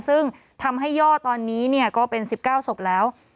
ซึ่งทำให้ยอดตอนนี้ก็เป็น๑๙ศพแล้ว